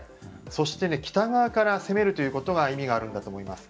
そして北側から攻めるということに意味があるんだと思います。